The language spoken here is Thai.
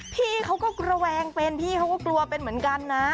พี่เขาก็ระแวงเป็นพี่เขาก็กลัวเป็นเหมือนกันนะ